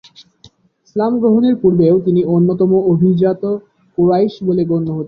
ইসলাম গ্রহণের পূর্বেও তিনি অন্যতম অভিজাত কুরাইশ বলে গণ্য হতেন।